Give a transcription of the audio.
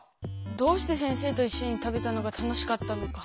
どうして先生といっしょに食べたのが楽しかったのか？